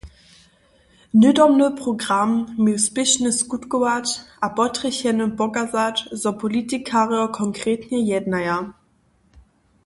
Hnydomny program měł spěšnje skutkować a potrjechenym pokazać, zo politikarjo konkretnje jednaja.